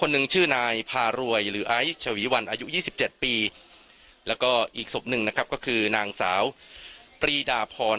แล้วอีกสมการณ์หนึ่งก็คือนางสาวปรีฎาพร